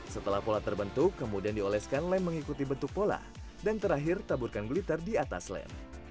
setelah pola terbentuk kemudian dioleskan lem mengikuti bentuk pola dan terakhir taburkan glitter di atas lem